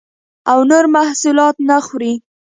او نور محصولات نه خوري